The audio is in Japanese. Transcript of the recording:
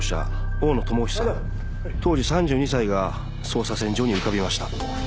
大野智久当時３２歳が捜査線上に浮かびました。